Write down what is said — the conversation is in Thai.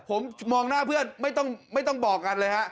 ผมมองหน้าเพื่อนไม่ต้องบอกกันเลยฮะ